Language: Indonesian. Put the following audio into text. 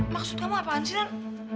maksud kamu apaan sih ren